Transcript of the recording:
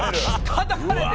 たたかれて。